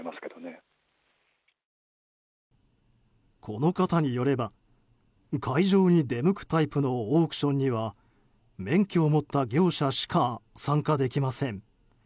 この方によれば会場に出向くタイプのオークションには免許を持った業者しか参加できません。